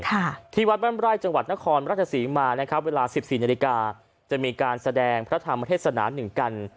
ค่ะที่วัดบ้านไร่จังหวัดนครราชศรีมานะครับเวลาสิบสี่นาฬิกาจะมีการแสดงพระธรรมเทศนาหนึ่งกัน